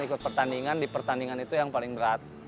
ikut pertandingan di pertandingan itu yang paling berat